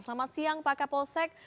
selamat siang pak kapolsek